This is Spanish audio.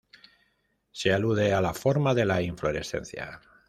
Se alude a la forma de la inflorescencia.